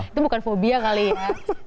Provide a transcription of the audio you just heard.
itu bukan fobia kali ya